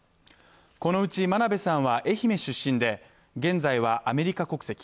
このうち、眞鍋さんは愛媛出身で現在はアメリカ国籍。